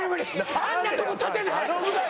あんなとこ立てない！